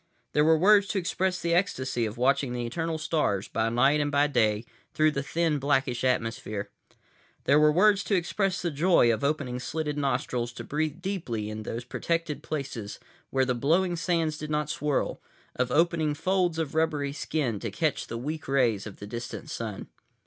There were words to express the ecstasy of watching the eternal stars, by night and by day, through the thin blackish atmosphere. There were words to express the joy of opening slitted nostrils to breathe deeply in those protected places where the blowing sands did not swirl, of opening folds of rubbery skin to catch the weak rays of the distant Sun.